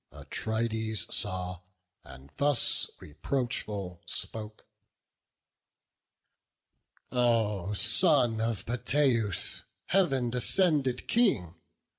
Atrides saw, and thus, reproachful, spoke: "O son of Peteus, Heav'n descended King!